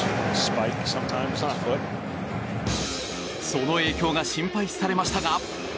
その影響が心配視されましたが。